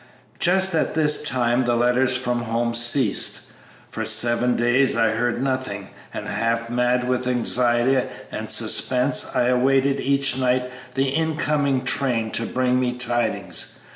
"Just at this time the letters from home ceased. For seven days I heard nothing, and half mad with anxiety and suspense I awaited each night the incoming train to bring me tidings.